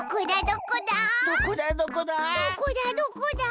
どこだどこだ？